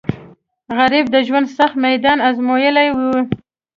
غریب د ژوند سخت میدان ازمویلی وي